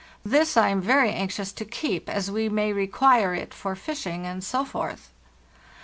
This Iam very anxious to keep, as we may require it for fishing, and so forth.